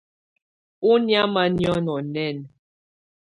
Ɔ́ nɛ̀ámɛ̀á niɔ́nɔ nɛɛnɛ.